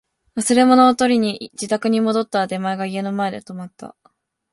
忘れ物を取りに自宅に戻ったら、出前が家の前で止まった